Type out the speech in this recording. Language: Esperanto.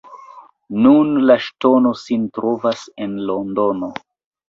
Nun la ŝtono sin trovas en Londono.